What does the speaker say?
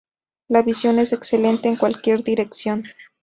La visión es excelente en cualquier dirección.